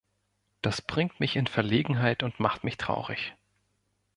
Das bringt mich in Verlegenheit und macht mich traurig.